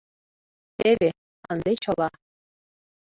— Теве… ынде чыла…